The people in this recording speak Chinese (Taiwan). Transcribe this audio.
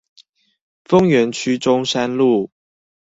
豐原區中山路